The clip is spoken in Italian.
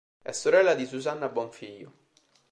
È sorella di Susanna Bonfiglio.